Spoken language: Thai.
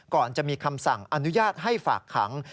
ก่อนจะมีคำสั่งอนุญาตให้ฝากขัง